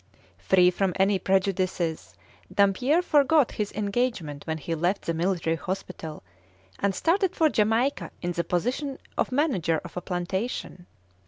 Free from any prejudices, Dampier forgot his engagement when he left the Military Hospital, and started for Jamaica in the position of manager of a plantation.